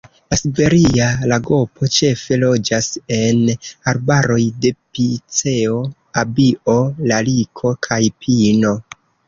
La Siberia lagopo ĉefe loĝas en arbaroj de piceo, abio, lariko kaj pino.